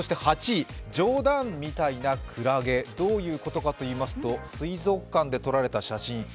８位、冗談みたいなクラゲ、どういうことかといいますと、水族館で撮られた写真。